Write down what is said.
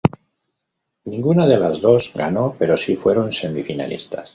Ninguna de las dos ganó, pero si fueron semi-finalistas.